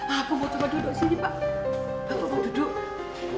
apa mau coba duduk sini pak